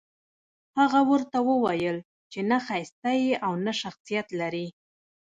هغه ورته وويل چې نه ښايسته يې او نه شخصيت لرې.